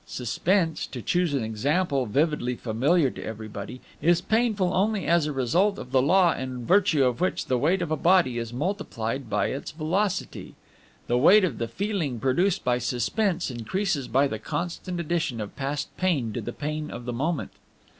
Suspense, to choose an example vividly familiar to everybody, is painful only as a result of the law in virtue of which the weight of a body is multiplied by its velocity. The weight of the feeling produced by suspense increases by the constant addition of past pain to the pain of the moment.